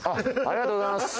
ありがとうございます